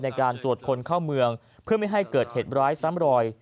ในการตรวจคนเข้าเมืองเพื่อไม่ให้เกิดเหตุร้ายซ้ำรอย